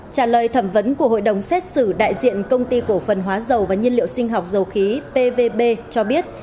trả lời thẩm vấn của hội đồng xét xử đại diện công ty cổ phần hóa dầu và nhiên liệu sinh học dầu khí pvb cho biết